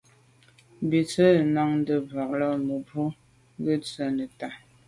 Bì sə̂’ lá’ ndɛ̂mbə̄bɑ̌k lá mə̀bró ŋgə́ tswə́ nə̀tá.